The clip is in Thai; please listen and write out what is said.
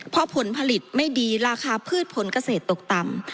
เพราะผลผลิตไม่ดีราคาพืชผลเกษตรตกต่ำ